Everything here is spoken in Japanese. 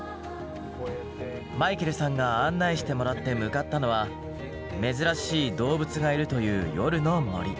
マイケルさんが案内してもらって向かったのは珍しい動物がいるという夜の森。